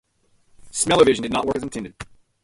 Smell-O-Vision did not work as intended.